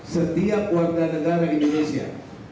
setiap warga negara indonesia